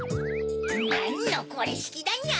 なんのこれしきだニャ！